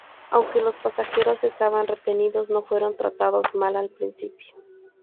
Aunque los pasajeros estaban retenidos, no fueron tratados mal al principio.